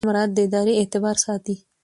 د قانون مراعات د ادارې اعتبار ساتي.